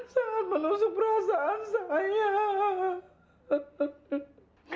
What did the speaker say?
sangat melusuk perasaan sayang